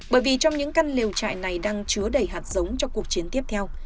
bởi vì trong những căn liều trại này đang chứa đầy hạt giống cho cuộc chiến tiếp theo